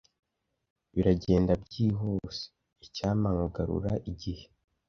Biragenda byihuse. Icyampa nkagarura igihe.